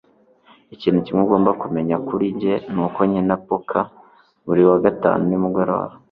Ikintu kimwe ugomba kumenya kuri njye nuko nkina poker buri wa gatanu nimugoroba.